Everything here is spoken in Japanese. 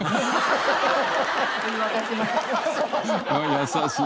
優しい。